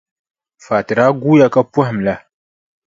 Fati daa guuya ka pɔhim la,